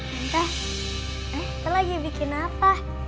tante kamu lagi bikin apa